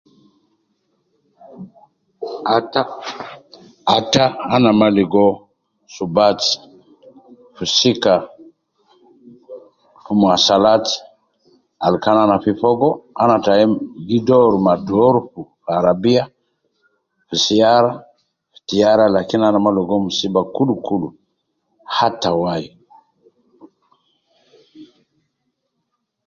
Atta atta ana maa ligo suubat fi sika fi mwasalaat al kan ana fi fogo. Ana gi stamil